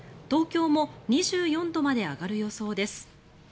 東京も２４度まで上がる予想です。